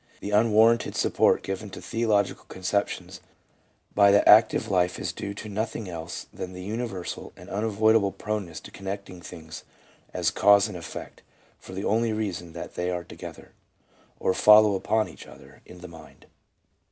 The unwar ranted support given to theological conceptions by the affective life is due to nothing else than to the universal and unavoidable proneness to connecting things as cause and effect for the only reason that they are together, or follow upon each other, in the mind.